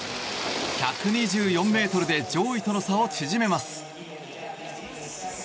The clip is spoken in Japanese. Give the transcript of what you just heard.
１２４ｍで上位との差を縮めます。